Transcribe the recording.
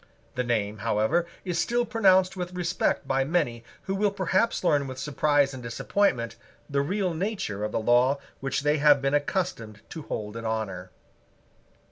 The name, however, is still pronounced with respect by many who will perhaps learn with surprise and disappointment the real nature of the law which they have been accustomed to hold in honour.